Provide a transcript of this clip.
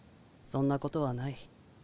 そんなことはない。